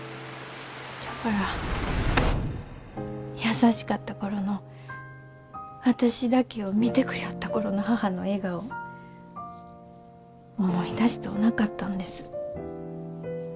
じゃから優しかった頃の私だけを見てくりょおった頃の母の笑顔を思い出しとうなかったんです。